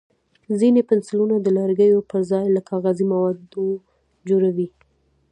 ځینې پنسلونه د لرګیو پر ځای له کاغذي موادو جوړ وي.